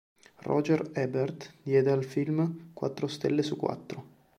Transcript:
Roger Ebert diede al film quattro stelle su quattro.